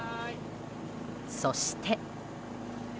そして。